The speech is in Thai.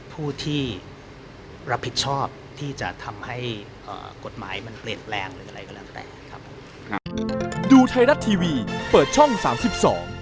ผู้ที่รับผิดชอบที่จะทำให้กฎหมายมันเปลี่ยนแรงอะไรก็แล้วนะครับ